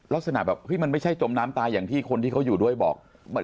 ลักษณะแบบเฮ้ยมันไม่ใช่จมน้ำตายอย่างที่คนที่เขาอยู่ด้วยบอก